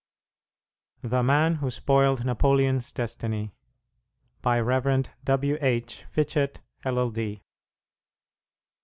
THE MAN WHO SPOILED NAPOLEON'S "DESTINY" By Rev. W. H. Fitchett, LL.D.